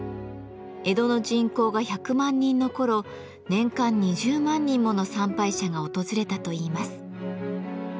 江戸の人口が１００万人の頃年間２０万人もの参拝者が訪れたといいます。